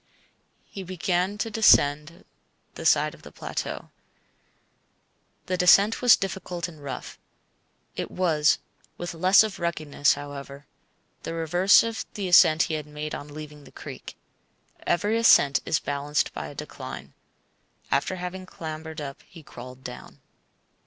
He began to descend the side of the plateau. The descent was difficult and rough. It was (with less of ruggedness, however) the reverse of the ascent he had made on leaving the creek. Every ascent is balanced by a decline. After having clambered up he crawled down.